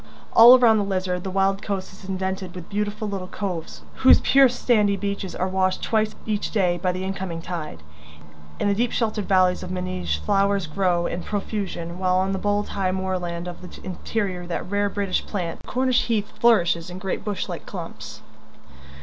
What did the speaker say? All around the Lizard the wild coast is indented with beautiful little coves whose pure sandy beaches are washed twice each day by the incoming tide. In the deep sheltered valleys of Meneage flowers grow in profusion, while on the bold high moorland of the interior that rare British plant the Cornish heath flourishes in great bush like clumps.